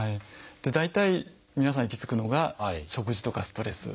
大体皆さん行き着くのが「食事」とか「ストレス」。